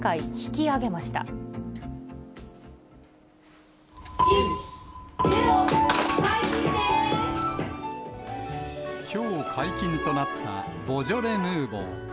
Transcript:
きょう解禁となったボジョレ・ヌーボー。